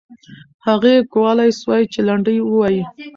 هغې کولای سوای چې لنډۍ ووایي.